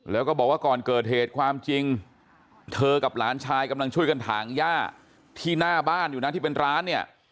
แล้วก็บอกว่าก่อนเกิดเหตุความจริงเธอกับหลานชายกำลังช่วยกันถางย่าที่หน้าบ้านอยู่นะที่เป็นร้านเนี่ย